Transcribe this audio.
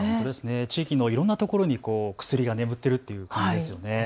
地域のいろんなところに薬が眠っているっていう感じですよね。